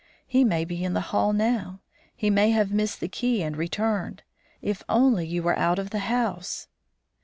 He may be in the hall now. He may have missed the key and returned. If only you were out of the house!"